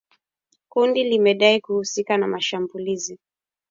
Kundi limedai kuhusika na shambulizi